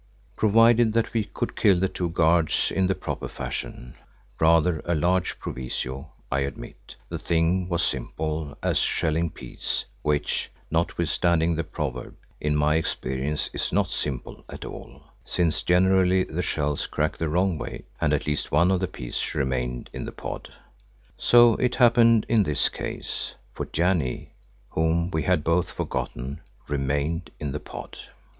Provided that we could kill the two guards in the proper fashion—rather a large proviso, I admit—the thing was simple as shelling peas which, notwithstanding the proverb, in my experience is not simple at all, since generally the shells crack the wrong way and at least one of the peas remained in the pod. So it happened in this case, for Janee, whom we had both forgotten, remained in the pod.